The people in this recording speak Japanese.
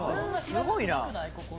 すごいな」